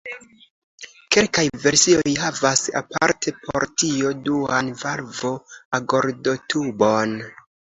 Kelkaj versioj havas aparte por tio duan valvo-agordotubon.